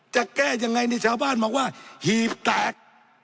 จะแก้ยังไงนี่ชาวบ้านบอกว่าหีบแตก